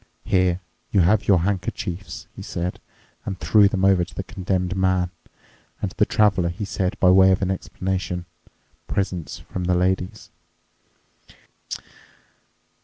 "Here you have your handkerchiefs," he said and threw them over to the Condemned Man. And to the Traveler he said by way of an explanation, "Presents from the ladies."